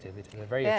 ini lokasi yang menarik